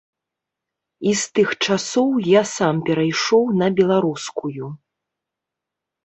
І з тых часоў я сам перайшоў на беларускую.